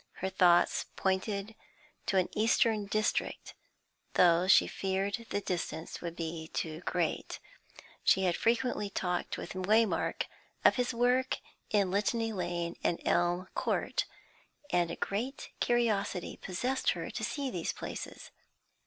Her thoughts pointed to an eastern district, though she feared the distance would be too great; she had frequently talked with Waymark of his work in Litany Lane and Elm Court, and a great curiosity possessed her to see these places.